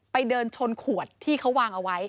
เดินชนขวดที่เขาวางเอาไว้